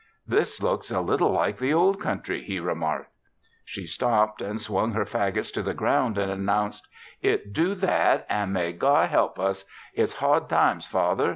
"This looks a little like the old country," he remarked. She stopped and swung her fagots to the ground and announced: "It do that an' may God help us! It's hard times, Father.